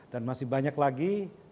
dan masih banyak lagi